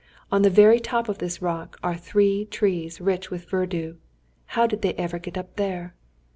On the very top of this rock are three trees rich with verdure: how did they ever get up there?